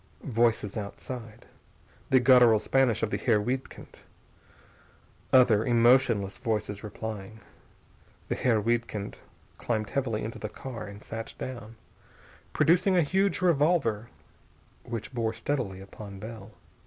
Voices outside. The guttural Spanish of the Herr Wiedkind. Other, emotionless voices replying. The Herr Wiedkind climbed heavily into the car and sat down, producing a huge revolver which bore steadily upon Bell.